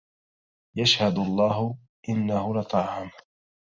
يَشهَد اللَّه إنه لطعامٌ